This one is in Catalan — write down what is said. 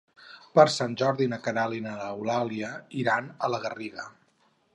Per Sant Jordi na Queralt i n'Eulàlia iran a la Garriga.